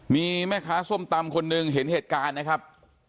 มีแม่ค้าส้มตำคนหนึ่งเห็นเหตุการณ์นะครับ